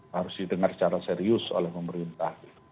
harus didengar secara serius oleh pemerintah